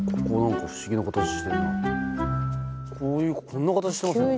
こういうこんな形してますもんね。